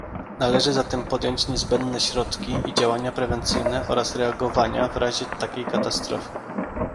Należy zatem podjąć niezbędne środki i działania prewencyjne oraz reagowania w razie takiej katastrofy